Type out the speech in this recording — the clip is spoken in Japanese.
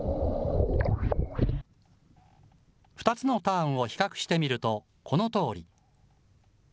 ２つのターンを比較してみると、このとおり。